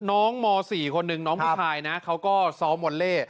ม๔คนหนึ่งน้องผู้ชายนะเขาก็ซ้อมวอลเล่